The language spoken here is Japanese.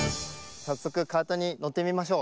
さっそくカートにのってみましょう。